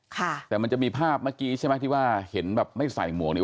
ค่ะแต่มันจะมีภาพเมื่อกี้ใช่ไหมที่ว่าเห็นแบบไม่ใส่หมวกเนี่ย